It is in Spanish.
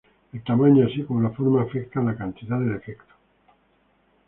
El tamaño así como la forma afecta la cantidad del efecto.